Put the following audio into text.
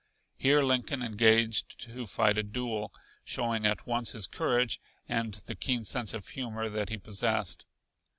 Here Lincoln engaged to fight a duel, showing at once his courage and the keen sense of humor that he possessed.